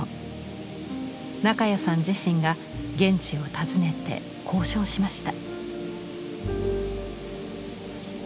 中谷さん自身が現地を訪ねて交渉しました。